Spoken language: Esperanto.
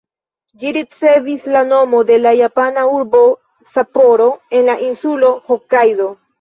Ĝi ricevis la nomo de la japana urbo Sapporo, en la insulo Hokajdo.